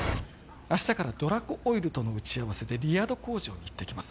明日からドラコオイルとの打ち合わせでリヤド工場に行ってきます